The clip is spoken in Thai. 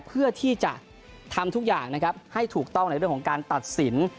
เพื่อที่จะทำทุกอย่างนะครับให้ถูกต้องในเรื่องของการตัดสิน